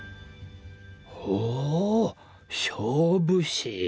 ほお勝負師。